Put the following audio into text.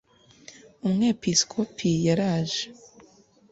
Umwepiskopi yaraje